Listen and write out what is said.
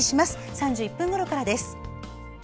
３１分ごろからです。